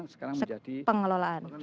sekarang menjadi pengendalian